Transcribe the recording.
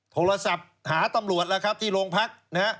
โทรศัพท์หาตำรวจที่โรงพักษณ์